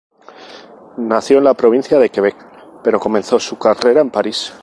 Nació en la provincia de Quebec, pero comenzó su carrera en París.